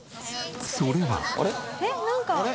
それは。